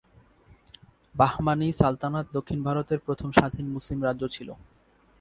বাহমানি সালতানাত দক্ষিণ ভারতের প্রথম স্বাধীন মুসলিম রাজ্য ছিল।